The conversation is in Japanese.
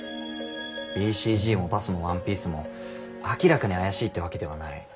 ＢＣＧもバスもワンピースも明らかに怪しいってわけではない。